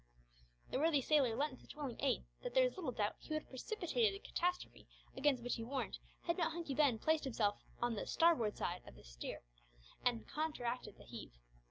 The worthy sailor lent such willing aid that there is little doubt he would have precipitated the catastrophe against which he warned, had not Hunky Ben placed himself on the "starboard side" of the steed and counteracted the heave.